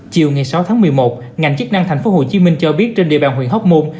chiều sáu một mươi một ngành chức năng tp hcm cho biết trên địa bàn huyện hóc môn